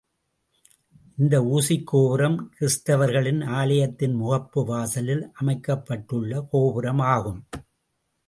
இந்த ஊசிக் கோபுரம் கிறிஸ்தவர்களின் ஆலயத்தின் முகப்பு வாசலில் அமைக்கப்பட்டுள்ள கோபுரம் ஆகும்.